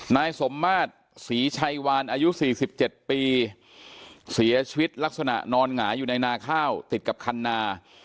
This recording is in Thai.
นายสมมาตรศรีชัยวานอายุ๔๗ปีเสียชีวิตลักษณะนอนหงายอยู่ในนาข้าวติดกับคันนา